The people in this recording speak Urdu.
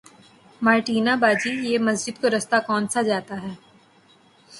مارٹینا باجی یہ مسجد کو راستہ کونسا جاتا ہے